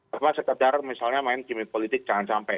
apa sekedar misalnya main gimmick politik jangan sampai